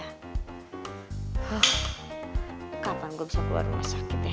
hah kapan gue bisa keluar rumah sakit ya